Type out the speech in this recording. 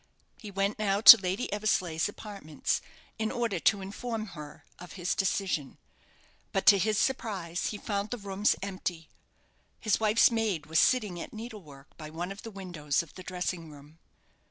He went now to Lady Eversleigh's apartments, in order to inform her of his decision; but, to his surprise, he found the rooms empty. His wife's maid was sitting at needlework by one of the windows of the dressing room.